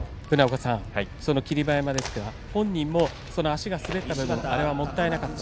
その霧馬山ですが、本人も足が滑った分もったいなかった。